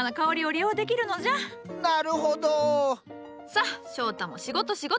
さあ翔太も仕事仕事。